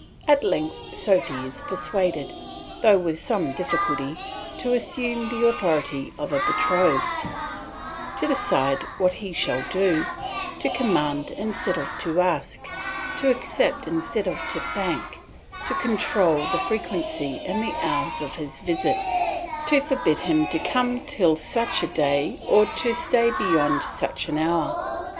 At length Sophy is persuaded, though with some difficulty, to assume the authority of a betrothed, to decide what he shall do, to command instead of to ask, to accept instead of to thank, to control the frequency and the hours of his visits, to forbid him to come till such a day or to stay beyond such an hour.